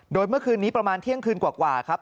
โดยเมื่อคืนนี้ประมาณเที่ยงคืนกว่าครับ